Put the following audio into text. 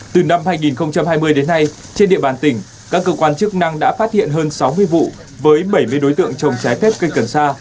từ năm hai nghìn hai mươi đến nay trên địa bàn tỉnh các cơ quan chức năng đã phát hiện hơn sáu mươi vụ với bảy mươi đối tượng trồng trái phép cây cần sa